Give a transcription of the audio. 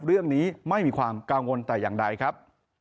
เรื่องนี้ไม่มีความกังวลแต่อย่างใดครับ